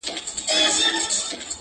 o کونه څيري، کرک مړ٫